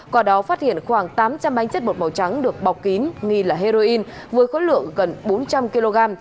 quả đó phát hiện khoảng tám trăm linh ánh chất bột màu trắng được bọc kín nghi là heroin với khối lượng gần bốn trăm linh kg